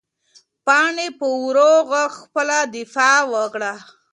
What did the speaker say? پاڼې په ورو غږ خپله دفاع وکړه.